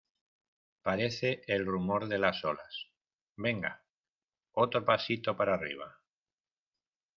parece el rumor de las olas. venga, otro pasito para arriba .